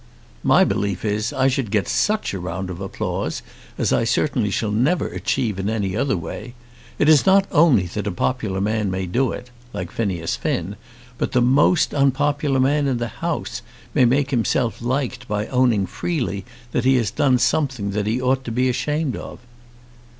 My belief is I should get such a round of applause as I certainly shall never achieve in any other way. It is not only that a popular man may do it, like Phineas Finn, but the most unpopular man in the House may make himself liked by owning freely that he has done something that he ought to be ashamed of."